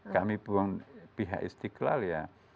kami pun pihak istiqlal ya